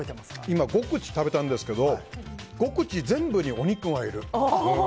今、５口食べたんですけど５口全部にお肉がいる。